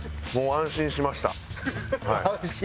「安心しました」？